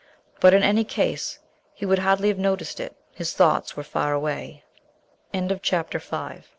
But in any case he would hardly have noticed it. His thoughts were far away.... ~VI~ Mrs. Bittacy ha